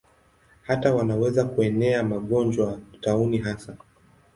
Hata wanaweza kuenea magonjwa, tauni hasa.